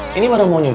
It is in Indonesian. masih berani kamu